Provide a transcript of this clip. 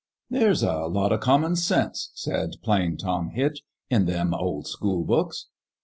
" There's a lot o' common sense," said Plain Tom Hitch, " in them old school books."